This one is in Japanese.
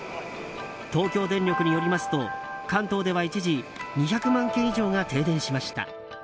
東京電力によりますと関東では一時２００万軒以上が停電しました。